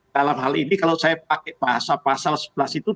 dalam hal ini kalau saya pakai bahasa bahasa sebelah situ